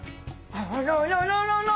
あららららら！